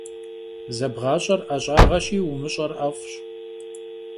Zebğaş'er 'eş'ağeşi vumış'er 'ef'ş.